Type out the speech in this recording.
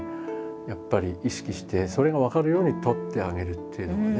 やっぱり意識してそれが分かるように撮ってあげるというのがね